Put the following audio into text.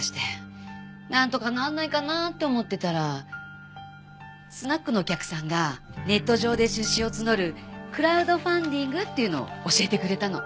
なんとかならないかなって思ってたらスナックのお客さんがネット上で出資を募るクラウドファンディングっていうのを教えてくれたの。